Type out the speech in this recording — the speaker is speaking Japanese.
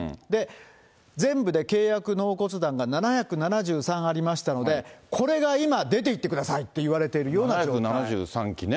全部で契約納骨壇が７７３ありましたので、これが今、出ていってくださいって言われているような状態。